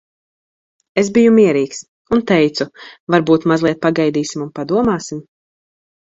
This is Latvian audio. Es biju mierīgs. Un teicu, "Varbūt mazliet pagaidīsim un padomāsim?